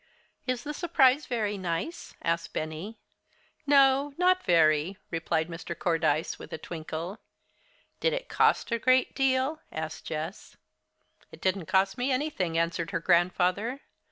"Is the surprise very nice?" asked Benny. "No, not very," replied Mr. Cordyce with a twinkle. "Did it cost a great deal?" asked Jess. "It didn't cost me anything," answered her grandfather.